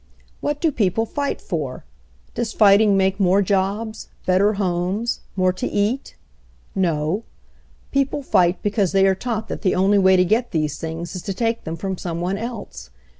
"What do people fight for? Does fighting make more jobs, better homes, more to eat? No, People fight because they are taught that the only way to get these things is to take them from some one else.